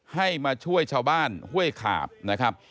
ให้มาช่วยชาวบ้านห้วยขาบนะครับ